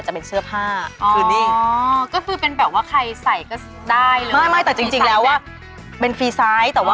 อันนี้คือผมเนี่ยข้างในมีอะไรไหม